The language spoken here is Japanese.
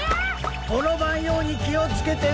ころばんようにきをつけてな。